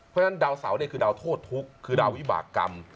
เพราะฉะนั้นดาวเสาเนี่ยคือดาวโทษทุกข์คือดาววิบากรรม